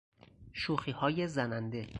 شوخیهای زننده